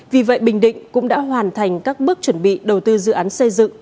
vì vậy bình định cũng đã hoàn thành các bước chuẩn bị đầu tư dự án xây dựng